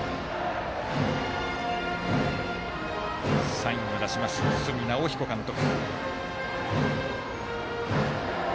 サインを出します堤尚彦監督。